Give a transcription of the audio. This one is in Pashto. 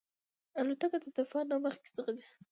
الوتکه د طوفان نه مخکې ځغلي.